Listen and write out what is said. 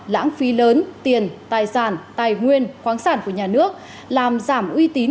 lãng phí lớn tiền tài sản tài nguyên khoáng sản của nhà nước làm giảm uy tín